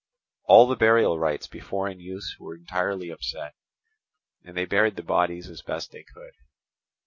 All the burial rites before in use were entirely upset, and they buried the bodies as best they could.